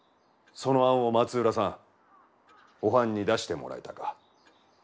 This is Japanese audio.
その案を松浦さんおはんに出してもらいたか。